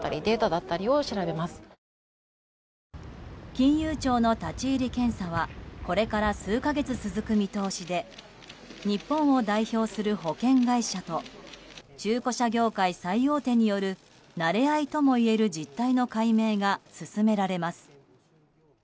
金融庁の立ち入り検査はこれから数か月続く見通しで日本を代表する保険会社と中古車業界最大手によるなれ合いともいえる実態の解明が進められます。